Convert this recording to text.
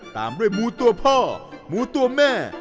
ตามด้วยหมูตัวพ่อหมูตัวแม่